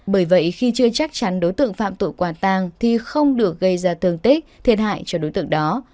bởi vậy khi chưa chắc chắn đối tượng phạm tội quả tang thì không được gây ra thương tích thiệt hại cho đối tượng đó